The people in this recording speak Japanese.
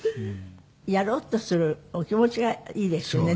やろうとするお気持ちがいいですよね